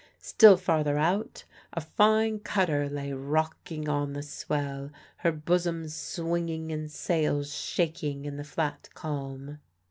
Still farther out, a fine cutter lay rocking on the swell, her bosom swinging and sails shaking in the flat calm.